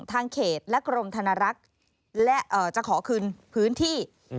ทางเขตและกรมธนรักษ์และจะขอคืนพื้นที่